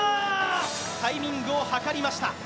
タイミングを図りました。